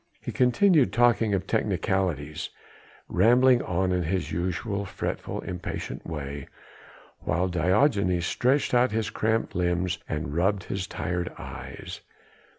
He continued talking of technicalities, rambling on in his usual fretful, impatient way, while Diogenes stretched out his cramped limbs, and rubbed his tired eyes.